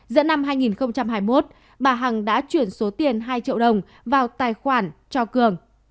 giữa năm hai nghìn hai mươi một bà hằng đã chuyển số tiền hai triệu đồng vào tài khoản cho cường